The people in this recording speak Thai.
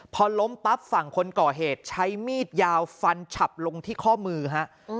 พอล้มปั๊บฝั่งคนก่อเหตุใช้มีดยาวฟันฉับลงที่ข้อมือฮะ